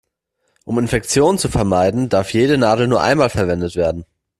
Um Infektionen zu vermeiden, darf jede Nadel nur einmal verwendet werden.